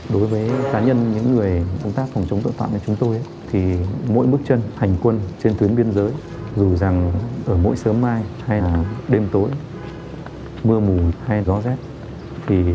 đối với cá nhân những người công tác phòng chống tội phạm như chúng tôi thì mỗi bước chân hành quân trên tuyến biên giới dù rằng ở mỗi sớm mai hay đêm tối mưa mù hay gió rét